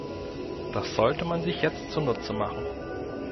Das sollte man sich jetzt zunutze machen.